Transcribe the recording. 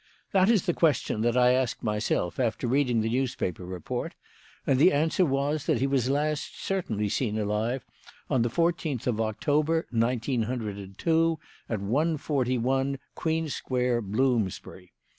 That is the question that I asked myself after reading the newspaper report; and the answer was, that he was last certainly seen alive on the fourteenth of October, nineteen hundred and two, at 141 Queen Square, Bloomsbury.